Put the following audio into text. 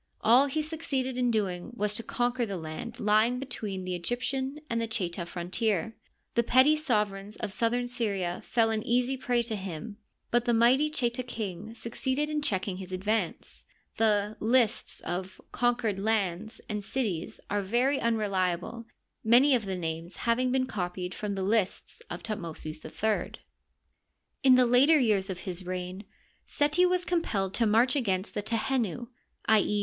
All he succeeded in doing was to conquer the land lying be tween the Egyptian and the Cheta frontier. The petty sovereigns of southern Syria fell an easy prey to him, but the mighty Cheta king succeeded in checking his advance. The " lists " of " conquered " lands and cities are very unreliable, many of the names having been copied from the lists of Thutmosis III. In the later years of his reign Seti was compelled to march against the Tehenu — i. e.